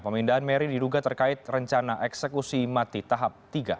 pemindahan mary diduga terkait rencana eksekusi mati tahap tiga